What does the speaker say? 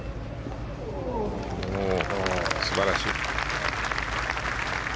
素晴らしい。